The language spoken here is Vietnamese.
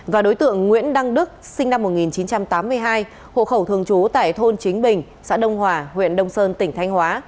và đối tượng nguyễn đăng đức sinh năm một nghìn chín trăm tám mươi hai hộ khẩu thường trú tại thôn chính bình xã đông hòa huyện đông sơn tỉnh thanh hóa